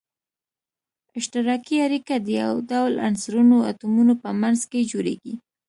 اشتراکي اړیکه د یو ډول عنصرونو اتومونو په منځ کې جوړیږی.